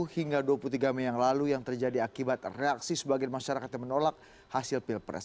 dua puluh hingga dua puluh tiga mei yang lalu yang terjadi akibat reaksi sebagian masyarakat yang menolak hasil pilpres